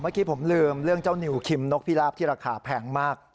เมื่อกี้ผมลืมเรื่องเจ้านิวคิมนกพิราบที่ราคาแพงมาก